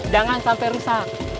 jangan sampai rusak